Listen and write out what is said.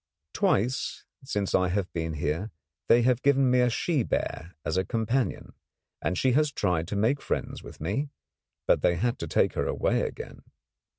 Twice since I have been here they have given me a she bear as a companion, and she has tried to make friends with me; but they had to take her away again.